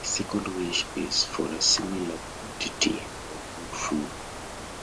His second wish is for a similar quantity of good food.